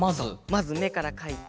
まずめからかいて。